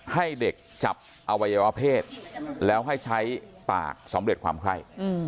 ให้เด็กจับอวัยวะเพศแล้วให้ใช้ปากสำเร็จความไข้